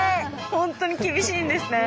ほんとに厳しいんですね。